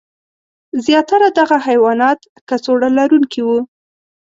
زیاتره دغه حیوانات کڅوړه لرونکي وو.